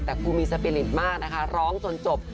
แต่ครูมีสปีริตมากนะคะร้องจนจบ